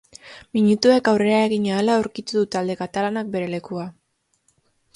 Minutuek aurrera egin ahala aurkitu du talde katalanak bere lekua.